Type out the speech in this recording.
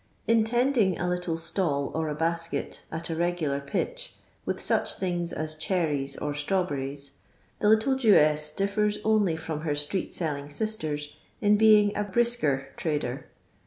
In tending a little stall or a basket at a regular pitch, with such things as cherries or straw berries, the little Jewess diSat only from her street sellinf^ sisters in being a brisker trader.